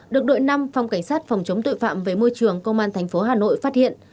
được đội năm phòng cảnh sát phòng chống tội phạm về môi trường công an thành phố hà nội phát hiện